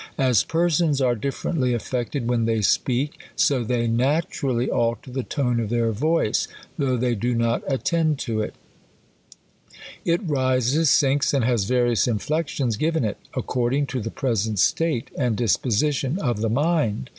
As persons are dif ferently affected when they speak, so they naturally B aher 14 THE COLUMBlAiN ORATOR. alter the tone of their voice, though they do not attend to it. It rises, sinks, and has various inflections given it, according to the present state and disposition of the mind.